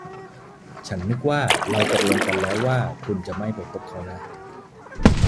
ฉันนึกว่าเราตกลงกันแล้วว่าคุณจะไม่ไปพบเขานะ